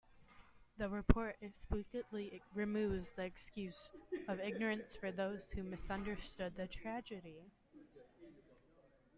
The report explicitly removes the excuse of ignorance for those who misunderstood the tragedy.